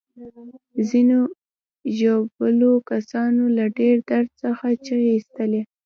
ځینو ژوبلو کسانو له ډیر درد څخه چیغې ایستلې.